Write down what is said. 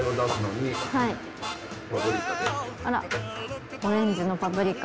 あらオレンジのパプリカ。